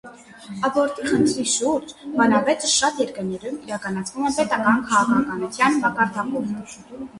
Աբորտի խնդրի շուրջ բանավեճը շատ երկրներում իրականացվում է պետական քաղաքականության մակարդակով։